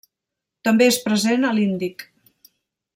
També és present a l'Índic.